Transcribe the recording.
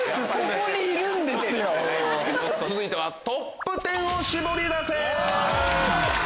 続いては。